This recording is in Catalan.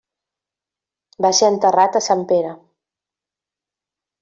Va ser enterrat a Sant Pere.